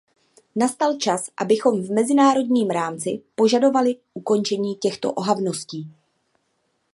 Nastal čas, abychom v mezinárodním rámci požadovali ukončení těchto ohavností.